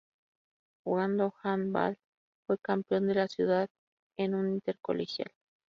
Jugando handball fue campeón de la ciudad en un intercolegial.